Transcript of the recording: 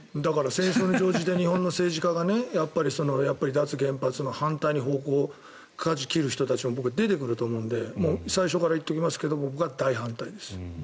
戦争に乗じて日本の政治家が脱原発の反対の方向にかじを切る人が僕、出てくると思うので最初から言っておきますけど僕は大反対です。